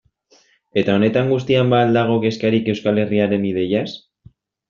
Eta honetan guztian ba al dago kezkarik Euskal Herriaren ideiaz?